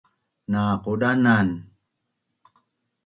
na qudanan